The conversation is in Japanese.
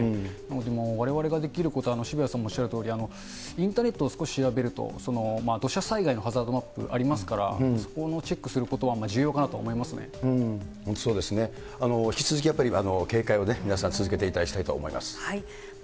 でもわれわれができることは、渋谷さんもおっしゃるとおり、インターネットを少し調べると、土砂災害のハザードマップありますから、そこのチェックをするこ本当、そうですね、引き続き、警戒を皆さん、続けていただきたいと思います。